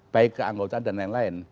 baik keanggotaan dan lain lain